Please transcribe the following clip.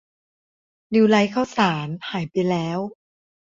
นิวไลท์ข้าวสารหายไปแล้ว